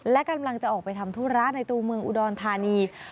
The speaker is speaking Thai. และกำลังจะออกไปทำธุระในตัวเมืองอุดรธานี